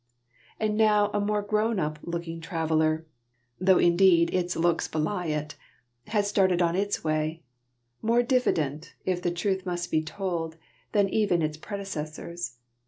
_ _And now a more grown up looking traveller (though indeed its looks belie it) has started on its way; more diffident, if the truth must be told, than even its predecessors.